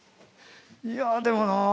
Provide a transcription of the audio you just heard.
いやぁでもな。